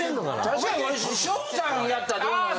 確かにこれ翔さんやったらどうなる？